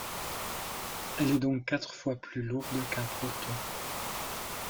Elle est donc quatre fois plus lourde qu'un proton.